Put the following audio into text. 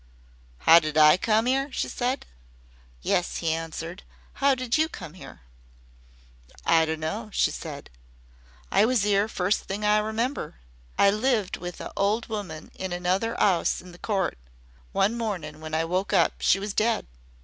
"Ow did I come 'ere?" she said. "Yes," he answered, "how did you come here?" "I dunno," she said; "I was 'ere first thing I remember. I lived with a old woman in another 'ouse in the court. One mornin' when I woke up she was dead.